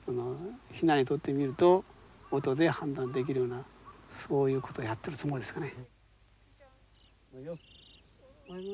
ヒナにとってみると音で判断できるようなそういうことをやってるつもりですがね。